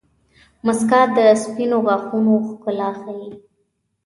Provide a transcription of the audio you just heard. • مسکا د سپینو غاښونو ښکلا ښيي.